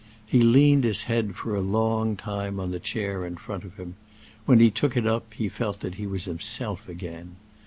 He leaned his head for a long time on the chair in front of him; when he took it up he felt that he was himself again.